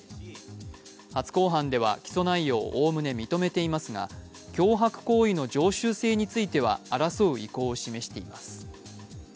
初公判では起訴内容をおおむね認めていますが脅迫行為の常習性については争う意向を示しています。